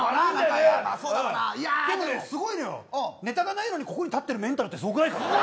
でもねすごいのよネタがないのにここに立てるメンタルすごくないですか。